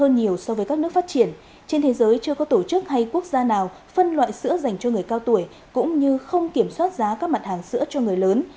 nhiều hơn nhiều so với các nước phát triển trên thế giới chưa có tổ chức hay quốc gia nào phân loại sữa dành cho người cao tuổi cũng như không kiểm soát giá các mặt hàng sữa cho người lớn